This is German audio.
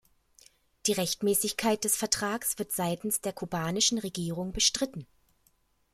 Die Rechtmäßigkeit des Vertrags wird seitens der kubanischen Regierung bestritten.